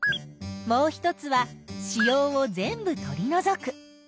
もう一つは子葉を全部とりのぞく。